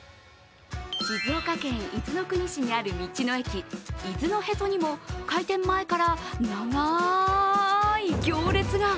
静岡県伊豆の国市にある道の駅伊豆のへそにも開店前から長い行列が。